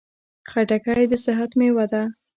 خټکی د صحت مېوه ده.